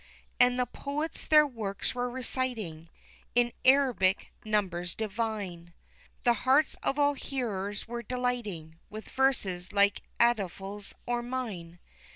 And the poets their works were reciting in Arabic numbers divine, The hearts of all hearers delighting with verses like Afdhal's or mine.